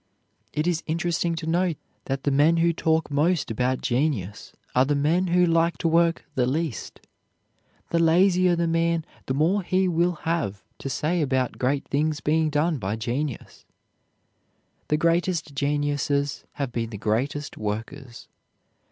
It is interesting to note that the men who talk most about genius are the men who like to work the least. The lazier the man, the more he will have to say about great things being done by genius. The greatest geniuses have been the greatest workers.